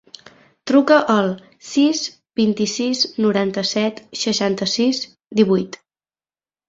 Truca al sis, vint-i-sis, noranta-set, seixanta-sis, divuit.